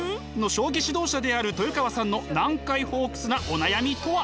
将棋指導者である豊川さんの難解ホークスなお悩みとは？